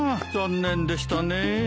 残念でしたねえ。